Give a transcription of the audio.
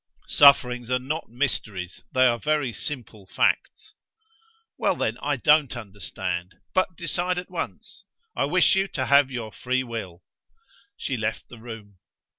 "Sufferings are not mysteries, they are very simple facts." "Well, then, I don't understand. But decide at once. I wish you to have your free will." She left the room.